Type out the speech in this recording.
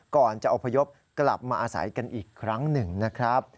ก่อนจะอพยพกลับมาอาศัยกันอีกครั้งหนึ่งนะครับ